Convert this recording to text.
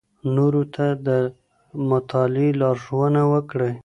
نورو ته د مطالعې لارښوونه وکړئ.